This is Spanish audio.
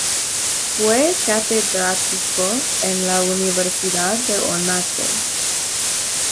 Fue catedrático en la Universidad de Oñate.